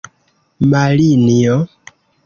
Marinjo!